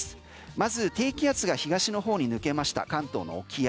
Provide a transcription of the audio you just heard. まず低気圧が東の方に抜けました関東の沖合